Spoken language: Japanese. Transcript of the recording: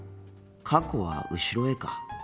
過去は後ろへか。